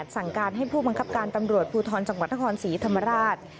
สั่งการให้ผู้บังคับการตำรวจภูทรจังหวัดนครศรีธรรมราช